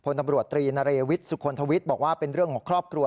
ตำรวจตรีนเรวิทสุคลทวิทย์บอกว่าเป็นเรื่องของครอบครัว